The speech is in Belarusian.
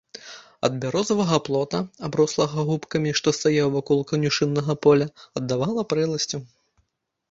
Ад бярозавага плота, аброслага губкамі, што стаяў вакол канюшыннага поля, аддавала прэласцю.